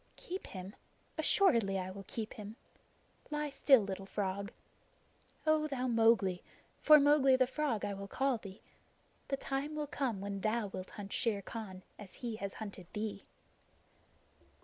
Keep him? Assuredly I will keep him. Lie still, little frog. O thou Mowgli for Mowgli the Frog I will call thee the time will come when thou wilt hunt Shere Khan as he has hunted thee."